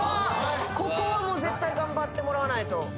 ここはもう絶対頑張ってもらわないと。